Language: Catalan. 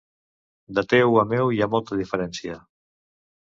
De teu a meu hi ha molta diferència.